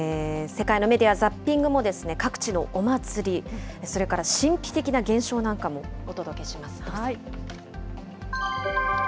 世界のメディア・ザッピングも各地のお祭り、それから神秘的な現象なんかもお届けします。